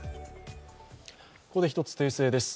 ここで一つ訂正です。